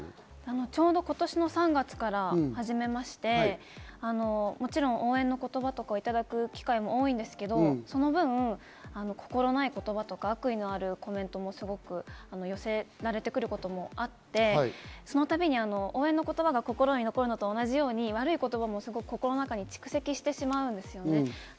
ちょうど今年の３月から始めまして、もちろん応援の言葉とかいただく機会も多いんですけど、その分、心ない言葉とか、悪意のあるコメントもすごく寄せられてくることもあって、そのたびに応援の言葉が心に残るのと同じように、悪い言葉も心に蓄積してしまうんですね。